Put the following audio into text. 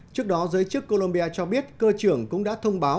trước đó giới chức colombia cho biết cơ trưởng cũng đã thông báo